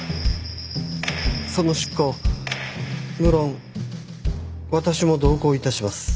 その執行無論私も同行致します。